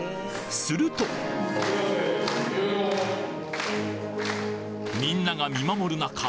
するとみんなが見守る中